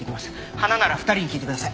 花なら２人に聞いてください。